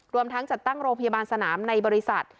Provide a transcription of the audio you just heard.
รวมทั้งจัดตั้งโรงพยาบาลสนามในบริษัท